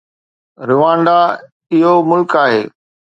Rwanda اهو ملڪ آهي.